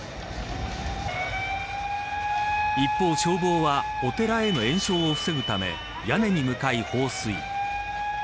一方、消防はお寺への延焼を防ぐため屋根に向かい放水。